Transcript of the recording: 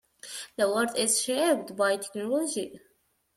The world is shaped by technology.